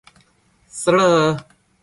เสร่อ